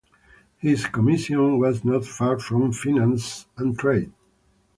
His commission was not far from finance and trade.